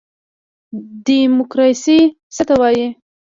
دیموکراسي څه ته وایي؟